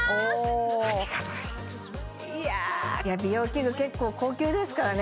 ありがたい美容器具結構高級ですからね